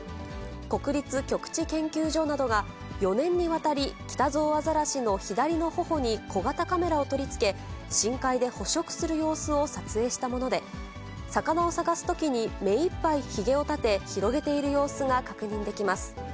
国立極地研究所などが、４年にわたりキタゾウアザラシの左のほほに小型カメラを取り付け、深海で捕食する様子を撮影したもので、魚を探すときに、目いっぱいひげを立て、広げている様子が確認できます。